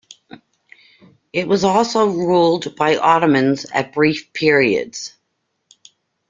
It was also ruled by Ottomans at brief periods.